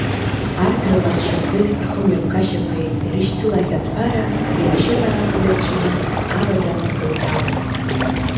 Арҭ рҟазшьақәеи рхымҩаԥгашьақәеи ирышьцылахьаз Ԥара, имашьына аақәирҵәиин, алада дылҭалеит.